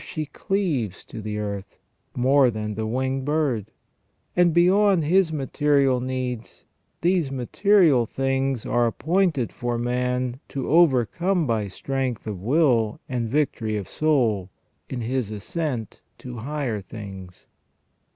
she cleaves to the earth, more than the winged bird ; and beyond his material needs, these material things are appointed for man to overcome by strength of will and victory of soul, in his ascent to higher things.